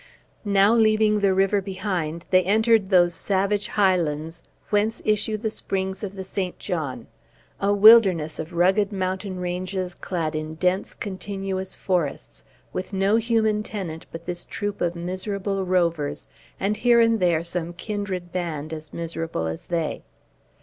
Now, leaving the river behind, they entered those savage highlands whence issue the springs of the St. John, a wilderness of rugged mountain ranges, clad in dense, continuous forests, with no human tenant but this troop of miserable rovers, and here and there some kindred band, as miserable as they.